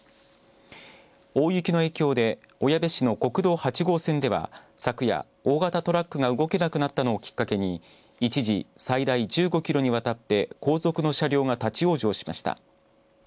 大雪の影響で小矢部市の国道８号線では昨夜、大型トラックが動けなくなったのをきっかけに一時、最大１５キロにわたって後続の車両が立往生しました。